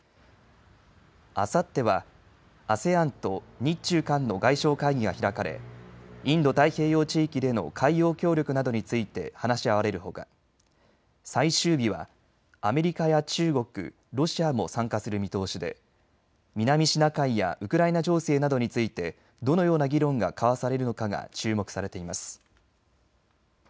あさってはＡＳＥＡＮと日中韓の外相会議が開かれインド太平洋地域でのを海洋協力などについて話し合われるほか最終日はアメリカや中国、ロシアも参加する見通しで南シナ海やウクライナ情勢などについてどのような議論が交わされるのかが注目されています。